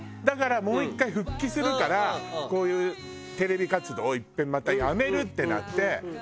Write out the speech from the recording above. だからもう１回復帰するからこういうテレビ活動をいっぺんまたやめるってなって。